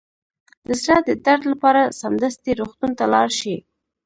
د زړه د درد لپاره سمدستي روغتون ته لاړ شئ